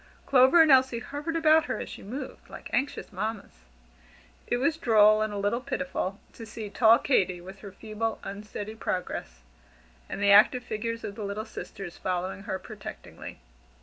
Clover and Elsie hovered about her as she moved, like anxious mammas. It was droll, and a little pitiful, to see tall Katy with her feeble, unsteady progress, and the active figures of the little sisters following her protectingly.